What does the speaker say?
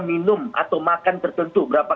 minum atau makan tertentu berapa